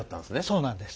そうなんです。